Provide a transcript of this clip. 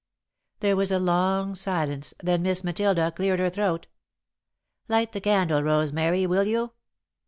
There was a long silence, then Miss Matilda cleared her throat. "Light the candle, Rosemary, will you?"